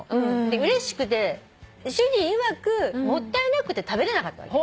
うれしくて主人いわくもったいなくて食べれなかったわけ。